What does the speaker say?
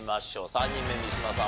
３人目三島さん